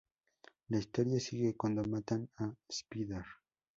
La historia sigue cuando matan a Spider.